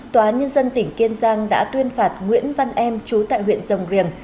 tòa nhân dân tỉnh kiên giang đã tuyên phạt nguyễn văn em chú tại huyện rồng riềng